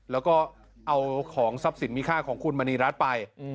แล้วก็เอาของทรัพย์สินมีค่าของคุณมณีรัฐไป